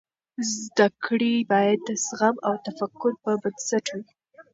زده کړې باید د زغم او تفکر پر بنسټ وي.